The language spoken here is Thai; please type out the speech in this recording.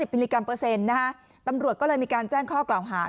มิลลิกรัมเปอร์เซ็นต์ตำรวจก็เลยมีการแจ้งข้อกล่าวหา